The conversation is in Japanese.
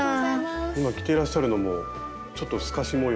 今着ていらっしゃるのもちょっと透かし模様の。